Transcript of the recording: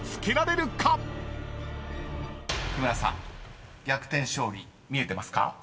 ［木村さん逆転勝利見えてますか？］